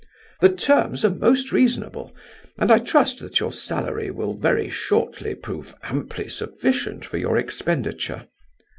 The terms are most reasonable, and I trust that your salary will very shortly prove amply sufficient for your expenditure.